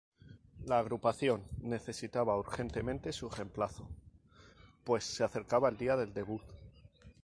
La agrupación necesitaba urgente su reemplazo, pues se acercaba el día del debut.